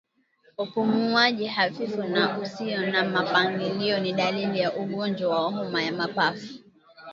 Upumuaji hafifu na usio na mpangilio ni dalili ya ugonjwa wa homa ya mapafu